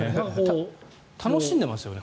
楽しんでますよね